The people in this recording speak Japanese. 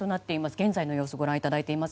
現在の様子をご覧いただいています。